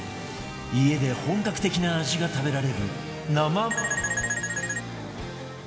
家で本格的な味が食べられる生